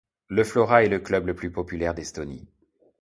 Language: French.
Le Flora est le club le plus populaire d'Estonie.